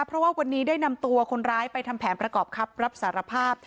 เพราะว่าวันนี้ได้นำตัวคนร้ายไปทำแผนประกอบคำรับสารภาพ